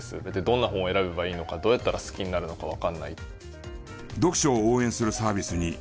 「どんな本を選べばいいのかどうやったら好きになるのかわからない」。